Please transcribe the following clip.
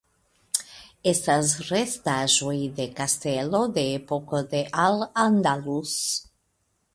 Estas restaĵoj de kastelo de epoko de Al Andalus.